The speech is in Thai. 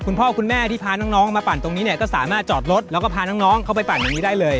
คุณพ่อคุณแม่ที่พาน้องมาปั่นตรงนี้เนี่ยก็สามารถจอดรถแล้วก็พาน้องเข้าไปปั่นตรงนี้ได้เลย